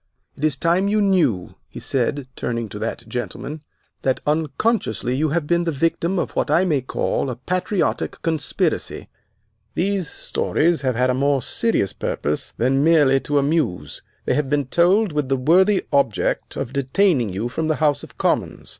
It is time you knew," he said, turning to that gentleman, "that unconsciously you have been the victim of what I may call a patriotic conspiracy. These stories have had a more serious purpose than merely to amuse. They have been told with the worthy object of detaining you from the House of Commons.